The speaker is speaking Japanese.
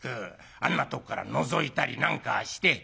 あんなとこからのぞいたりなんかして」。